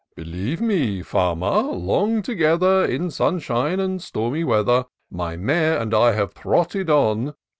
" Believe me. Farmer, long together. In sunshine, and in stormy weather, My mare and I have trotted on.